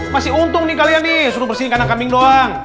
masih untung nih kalian nih suruh bersihin kandang kambing doang